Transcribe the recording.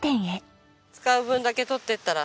使う分だけ取ってったら？